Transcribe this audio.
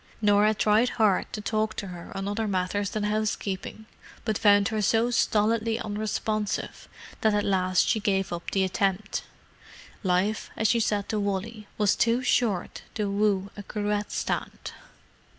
Norah tried hard to talk to her on other matters than housekeeping, but found her so stolidly unresponsive that at last she gave up the attempt. Life, as she said to Wally, was too short to woo a cruet stand!